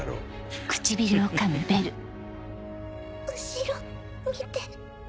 後ろ見て。